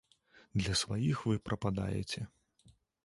Для сваіх вы прападаеце.